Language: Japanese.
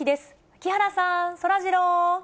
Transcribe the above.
木原さん、そらジロー。